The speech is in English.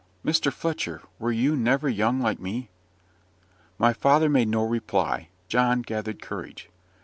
Mr Fletcher, were you never young like me?" My father made no reply; John gathered courage.